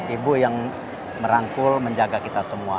ibu yang merangkul menjaga kita semua